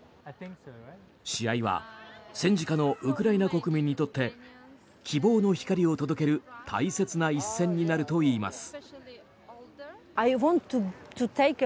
試合は戦時下のウクライナ国民にとって希望の光を届ける大切な一戦になるといいます。